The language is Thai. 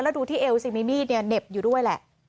ก็จะตรงเอวซีมิมีดเน็บอยู่ด้วยแหละ